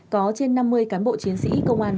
có trên năm mươi cán bộ chiến sĩ công an